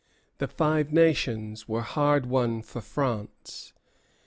The Five Nations were half won for France.